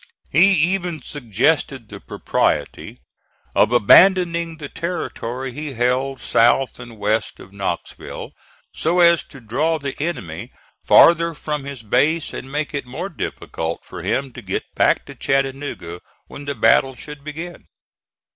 He even suggested the propriety of abandoning the territory he held south and west of Knoxville, so as to draw the enemy farther from his base and make it more difficult for him to get back to Chattanooga when the battle should begin.